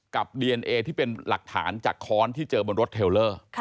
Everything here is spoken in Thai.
ดีเอนเอที่เป็นหลักฐานจากค้อนที่เจอบนรถเทลเลอร์